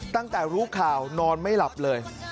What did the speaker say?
ตั้งแต่รู้ข่าวนอนไม่หลับเลย